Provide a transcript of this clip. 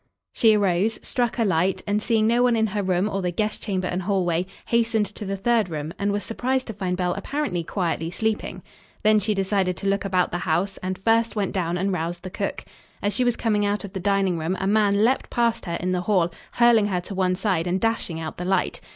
She arose; struck a light and, seeing no one in her room or the guest chamber and hallway, hastened to the third room, and was surprised to find Belle apparently quietly sleeping. Then she decided to look about the house and, first, went down and roused the cook. As she was coming out of the dining room, a man leaped past her in the hall, hurling her to one side and dashing out the light.